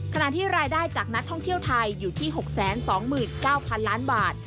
ขณะที่รายได้จากนักท่องเที่ยวไทยอยู่ที่๖๒๙๐๐ล้านบาท